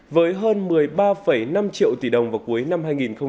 với hơn một mươi ba năm triệu tỷ đồng vào cuối năm hai nghìn hai mươi ba